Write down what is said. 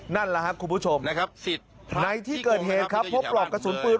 นั่นแหละครับคุณผู้ชมนะครับในที่เกิดเหตุครับพบปลอกกระสุนปืน